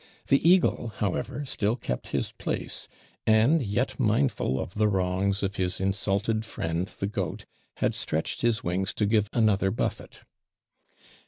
The eagle, however, still kept his place; and, yet mindful of the wrongs of his insulted friend the goat, had stretched his wings to give another buffet.